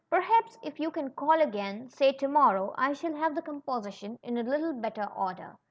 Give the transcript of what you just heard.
Perhaps if yon can call again — say to morrow — I shall have the composition in a little better order."